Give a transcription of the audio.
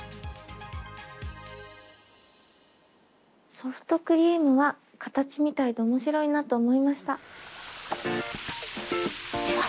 ソフトクリームは形みたいで面白いなと思いました。